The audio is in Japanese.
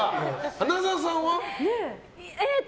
花澤さんは？